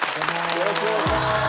よろしくお願いします！